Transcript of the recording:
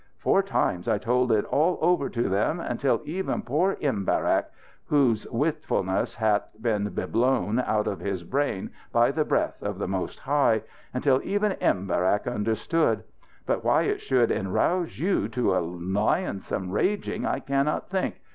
Four times I told it all over to them, until even poor Imbarak whose witfulness hath been beblown out from his brain by the breath of the Most High until even Imbarak understood. But why it should enrouse you to a lionsome raging I cannot think.